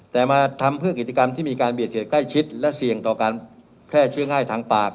แต่มาทำเพื่อกิจกรรมที่มีการเบียดเสียดใกล้ชิดและเสี่ยงต่อการแพร่เชื้อง่ายทางปาก